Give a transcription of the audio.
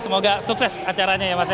semoga sukses acaranya ya mas ya